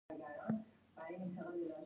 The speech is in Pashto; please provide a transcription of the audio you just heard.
موږ لسګونه میلیونه خلک یو.